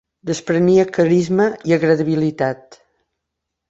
Desprenia carisma i agradabilitat.